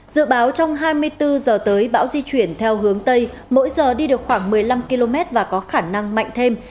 dự báo trong hai mươi bốn giờ tới bão di chuyển theo hướng tây mỗi giờ đi được khoảng một mươi năm km và có khả năng mạnh thêm